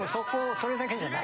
それだけではない。